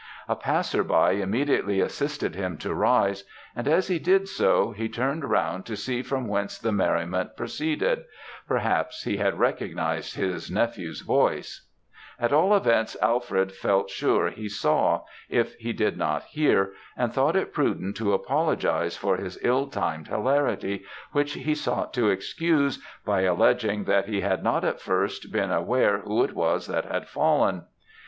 A passer by immediately assisted him to rise; and as he did so, he turned round to see from whence the merriment proceeded perhaps he had recognised his nephew's voice at all events, Alfred felt sure he saw, if he did not hear, and thought it prudent to apologise for his ill timed hilarity, which he sought to excuse by alleging that he had not at first been aware who it was that had fallen.